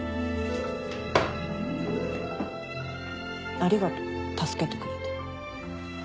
ありがと助けてくれて。